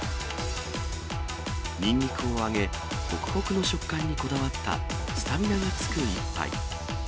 ニンニクを揚げ、ほくほくの食感にこだわった、スタミナがつく一杯。